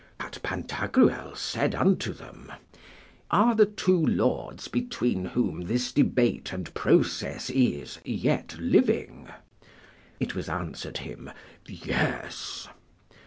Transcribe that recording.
But Pantagruel said unto them, Are the two lords between whom this debate and process is yet living? It was answered him, Yes.